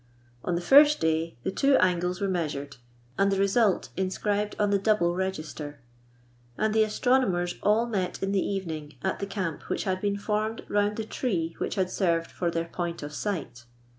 On the first day, the two angles were measured, and the result inscribed on the double register ; and the astronomers all met in the evening at the camp which had been formed round the tree which had served for their point of sight.